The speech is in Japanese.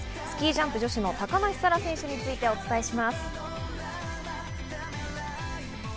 スキージャンプの高梨沙羅選手についてお伝えします。